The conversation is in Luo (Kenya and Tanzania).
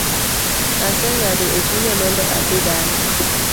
Aseng’ado echunya mondo adhi dala